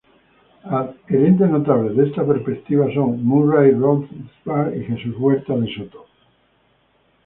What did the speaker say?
Adherentes notables de esta perspectiva son Murray Rothbard y Jesús Huerta de Soto.